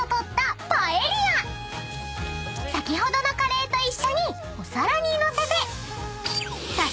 ［先ほどのカレーと一緒にお皿に載せて］